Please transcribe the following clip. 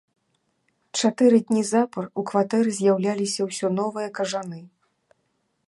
Чатыры дні запар у кватэры з'яўляліся ўсё новыя кажаны.